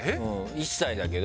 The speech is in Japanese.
１歳だけど。